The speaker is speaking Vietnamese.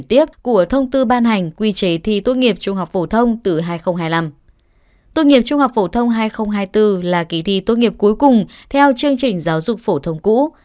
tốt nghiệp trung học phổ thông hai nghìn hai mươi bốn là kỳ thi tốt nghiệp cuối cùng theo chương trình giáo dục phổ thông cũ